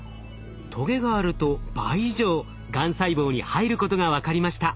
トゲがあると倍以上がん細胞に入ることが分かりました。